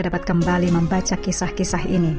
dapat kembali membaca kisah kisah ini